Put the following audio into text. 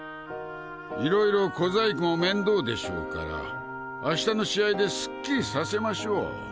色々小細工も面倒でしょうから明日の試合でスッキリさせましょう。